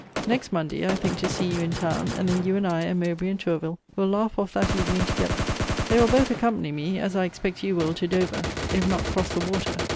Next Monday I think to see you in town; and then you, and I, and Mowbray, and Tourville, will laugh off that evening together. They will both accompany me (as I expect you will) to Dover, if not cross the water.